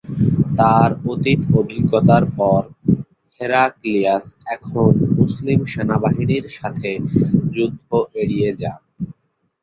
তার অতীত অভিজ্ঞতার পর, হেরাক্লিয়াস এখন মুসলিম সেনাবাহিনীর সাথে যুদ্ধ এড়িয়ে যান।